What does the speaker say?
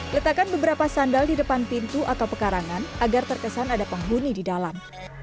letakkan beberapa sandal di depan pintu atau pekarangan agar terkesan ada penghuni di dalam